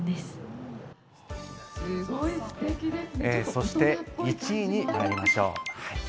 そして１位にまいりましょう。